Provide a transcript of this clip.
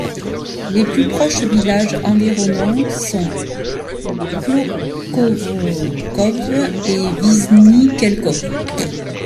Les plus proches villages environnants sont Klokočov et Vyšný Kelčov.